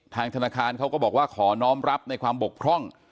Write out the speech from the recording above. ทางธนาคารเขาก็บอกว่าขอน้องรับในความบกพร่อง